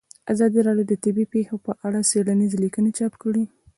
ازادي راډیو د طبیعي پېښې په اړه څېړنیزې لیکنې چاپ کړي.